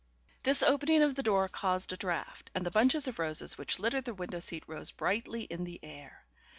This opening of the door caused a draught, and the bunches of roses which littered the window seat rose brightly in the air.